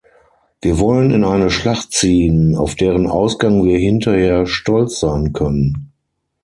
Wir wollen in eine Schlacht ziehen, auf deren Ausgang wir hinterher stolz sein können.